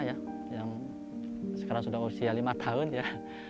yang sekarang sudah usia lima tahun ya